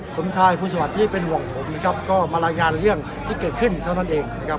สมชายภูสวัสดิ์ที่เป็นห่วงผมนะครับก็มารายงานเรื่องที่เกิดขึ้นเท่านั้นเองนะครับ